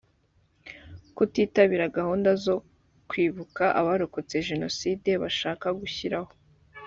kutitabira gahunda zo kwibuka abarokotse jenoside bashaka gushyiraho